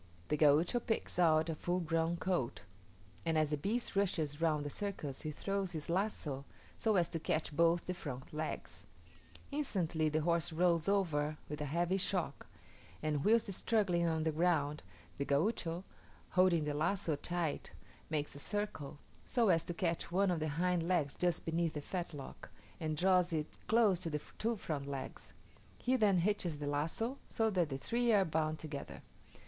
The Gaucho picks out a full grown colt; and as the beast rushes round the circus he throws his lazo so as to catch both the front legs. Instantly the horse rolls over with a heavy shock, and whilst struggling on the ground, the Gaucho, holding the lazo tight, makes a circle, so as to catch one of the hind legs just beneath the fetlock, and draws it close to the two front legs: he then hitches the lazo, so that the three are bound together.